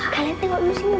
kalian tengok disini ya